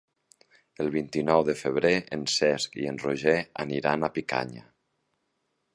El vint-i-nou de febrer en Cesc i en Roger aniran a Picanya.